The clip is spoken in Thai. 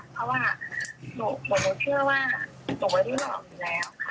เพราะว่าหนูเชื่อว่าหนูไม่ได้หลอกอยู่แล้วค่ะ